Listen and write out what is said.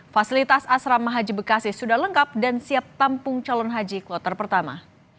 fasilitas asrama haji bekasi sudah lengkap dan siap tampung calon haji kloter pertama